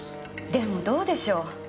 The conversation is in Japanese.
でもどうでしょう？